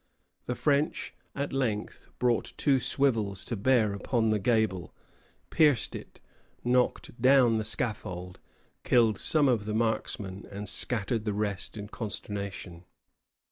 The French at length brought two swivels to bear upon the gable, pierced it, knocked down the scaffold, killed some of the marksmen, and scattered the rest in consternation.